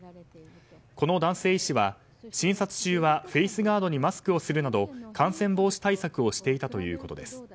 この男性医師は診察中はフェースガードにマスクをするなど感染防止対策をしていたということです。